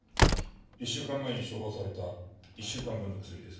１週間前に処方された１週間分の薬です。